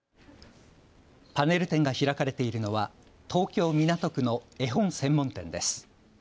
パネル展が開かれているのは東京・港区の絵本専門店です。